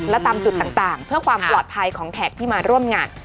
และตามจุดต่างเพื่อความปลอดภัยของแขกที่มาร่วมงาน